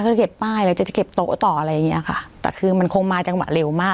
จะเก็บป้ายแล้วจะเก็บโต๊ะต่ออะไรอย่างเงี้ยค่ะแต่คือมันคงมาจังหวะเร็วมาก